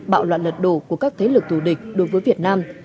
bạo loạn lật đổ của các thế lực thù địch đối với việt nam